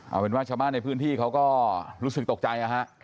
เอาเป็นว่าชาวบ้านในพื้นที่เขาก็รู้สึกตกใจนะฮะ